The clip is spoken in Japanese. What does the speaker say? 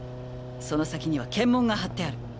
その先には検問が張ってある。